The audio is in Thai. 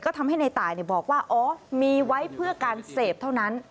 ก็ทำให้ในตายบอกว่าอ๋อมีไว้เพื่อการเสพเท่านั้น